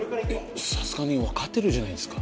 さすがに分かってるんじゃないですか？